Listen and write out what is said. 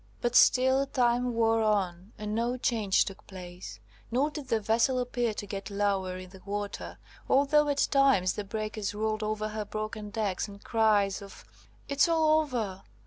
But still time wore on, and no change took place, nor did the vessel appear to get lower in the water, although at times the breakers rolled over her broken decks, and cries of "It's all over!